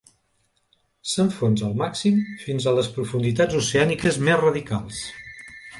S'enfonsa al màxim fins a les profunditats oceàniques més radicals.